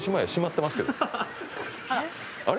あれ？